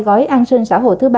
gói an sinh xã hội thứ ba